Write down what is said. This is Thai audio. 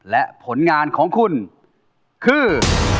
และผลงานของคุณคือ